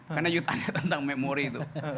karena yuk tanya tentang memori itu